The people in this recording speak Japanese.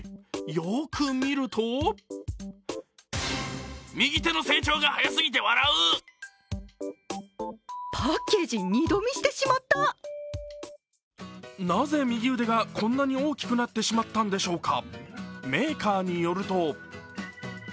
よく見るとなぜ、右腕がこんなに大きくなってしまったんでしょうか。